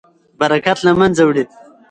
برکت له منځه وړي.